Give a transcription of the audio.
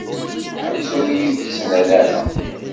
Ḥbes ur yi-d-ttnal ara.